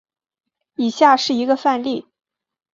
以下是一个范例。